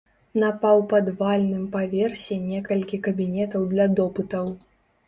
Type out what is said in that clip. На паўпадвальным паверсе некалькі кабінетаў для допытаў.